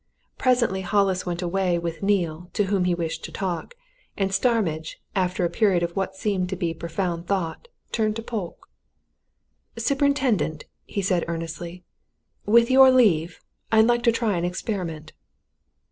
Presently Hollis went away with Neale, to whom he wished to talk, and Starmidge, after a period of what seemed to be profound thought, turned to Polke. "Superintendent!" he said earnestly. "With your leave, I'd like to try an experiment."